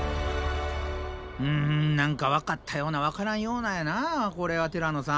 うん何かわかったようなわからんようなやなこれはティラノさん。